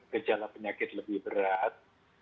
kejala penyakit lebih berat